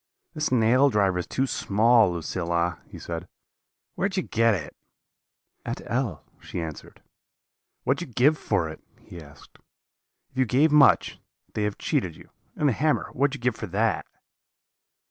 "'This nail driver is too small, Lucilla,' he said; 'where did you get it?' "'At L ,' she answered. "'What did you give for it?' he asked. 'If you gave much, they have cheated you; and the hammer, what did you give for that?'